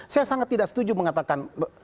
saya sangat tidak setuju mengatakan